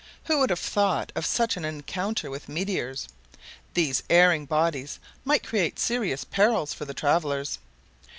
Who would have thought of such an encounter with meteors? These erring bodies might create serious perils for the travelers.